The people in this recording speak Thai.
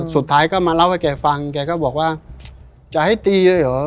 สุดท้ายก็มาเล่าให้แกฟังแกก็บอกว่าจะให้ตีเลยเหรอ